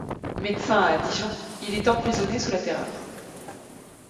Médecin à Dijon, il est emprisonné sous la Terreur.